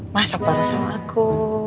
masuk bareng sama aku